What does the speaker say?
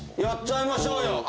やっちゃいましょうよ！